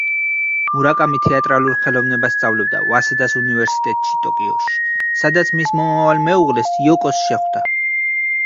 მურაკამი თეატრალურ ხელოვნებას სწავლობდა ვასედას უნივერსიტეტში ტოკიოში, სადაც მის მომავალ მეუღლეს, იოკოს, შეხვდა.